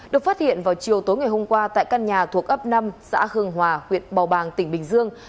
được phát hiện vào chiều tối ngày hôm qua tại căn nhà thuộc ấp năm xã hương hòa huyện bào bàng tỉnh bình dương